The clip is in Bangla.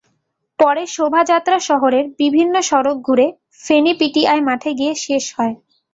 পরে শোভাযাত্রা শহরের বিভিন্ন সড়ক ঘুরে ফেনী পিটিআই মাঠে গিয়ে শেষ হয়।